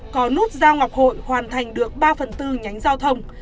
có nút giao ngọc hội hoàn thành được ba phần tư nhánh giao thông